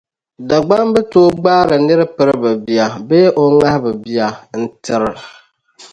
Dagbamba tooi gbaari nir’ piriba bii bee o ŋahiba bia, n-tir’...